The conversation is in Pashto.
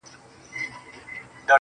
د زړه په كور كي دي بل كور جوړكړی~